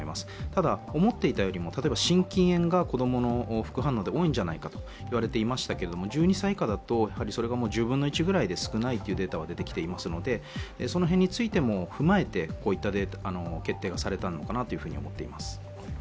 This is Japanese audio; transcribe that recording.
ただ、思っていたよりも、例えば心筋炎が子供の副反応で多いのではないかといわれていましたけども、１２歳以下ですとそれが１０分の１ぐらいで少ないというデータは出てきていますのでその辺もについても、踏まえてこういった決定がされたのかなと思っています。